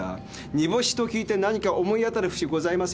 「煮干し」と聞いて何か思い当たる節ございませんか？